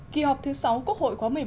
kỳ họp thứ sáu quốc hội khóa một mươi bốn